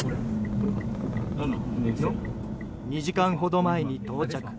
２時間ほど前に到着。